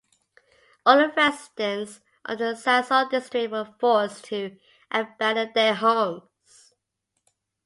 All the residents of the Zasole district were forced to abandon their homes.